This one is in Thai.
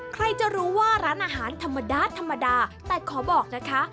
ใครจะรู้ว่าร้านอาหารธรรมดาธรรมดาแต่ขอบอกนะคะ